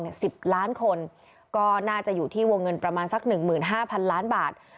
อย่าง๑๐ล้านคนก็น่าจะอยู่ที่วงเงินประมาณสัก๑๕๐๐๐ล้านบาท